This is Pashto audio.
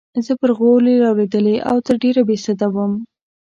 زه پر غولي رالوېدلې او تر ډېره بې سده وم.